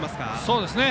そうですね。